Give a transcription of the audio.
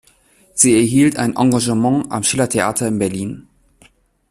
Sie erhielt ein Engagement am Schillertheater in Berlin.